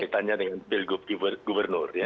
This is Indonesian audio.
ketanyaan dengan pilgu gubernur ya